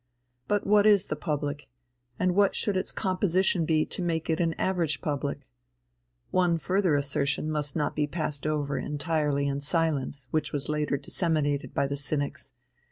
But what is the public and what should its composition be to make it an average public? One further assertion must not be passed over entirely in silence which was later disseminated by the cynics.